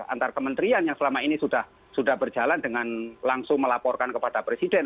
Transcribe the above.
antar kementerian yang selama ini sudah berjalan dengan langsung melaporkan kepada presiden